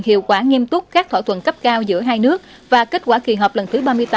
hiệu quả nghiêm túc các thỏa thuận cấp cao giữa hai nước và kết quả kỳ họp lần thứ ba mươi tám